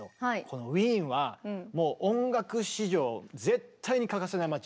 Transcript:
このウィーンはもう音楽史上絶対に欠かせない街。